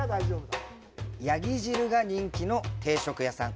山羊汁が人気の定食屋さん。